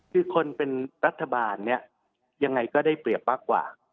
คือคนเป็นรัฐบาลเนี่ยยังไงก็ได้เปรียบมากกว่า